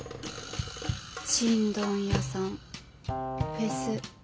ちんどん屋さんフェス